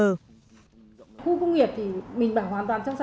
trong khu công nghiệp thì mình bảo hoàn toàn